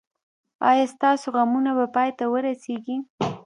ایا ستاسو غمونه به پای ته ورسیږي؟